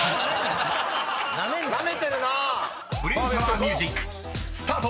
［ブレインタワーミュージックスタート！］